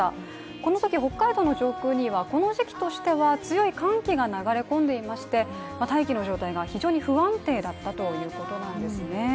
このとき北海道の上空には、この時期としては、強い寒気が流れ込んでいまして大気の状態が非常に不安定だったということなんですね。